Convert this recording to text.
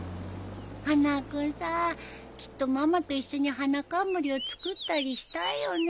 花輪君さきっとママと一緒に花冠を作ったりしたいよね。